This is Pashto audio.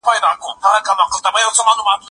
زه هره ورځ مځکي ته ګورم،